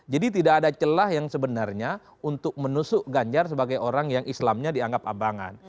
jadi tidak ada celah yang sebenarnya untuk menusuk ganyar sebagai orang yang islamnya dianggap abangan